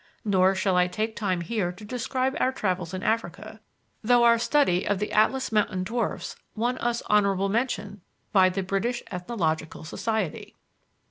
Nor shall I take time here to describe our travels in Africa, though our study of the Atlas Mountain dwarfs won us honorable mention by the British Ethnological Society.